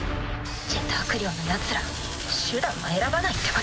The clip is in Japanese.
ジェターク寮のヤツら手段は選ばないってこと？